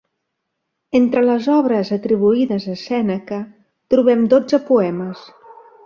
Entre les obres atribuïdes a Sèneca trobem dotze poemes.